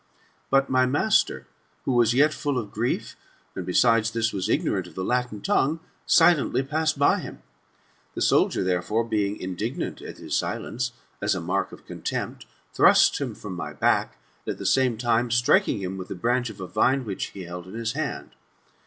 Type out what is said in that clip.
But my master, who was yet full of grief, and, besides this, was ignorant of the Latin tongue, silently passed by him. The soldier, therefore, being indignant at his silence, as a mark of contempt, thrust him from my back, at the same time striking him with the branch of a vine^^, which he held in his hand.